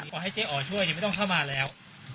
ก็ให้เจ๋อออกช่วยยังไม่ต้องเข้ามาแล้ว